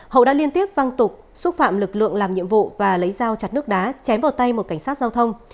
hậu đã liên tiếp văn tục xúc phạm lực lượng làm nhiệm vụ và lấy dao chặt nước đá chém vào tay một cảnh sát giao thông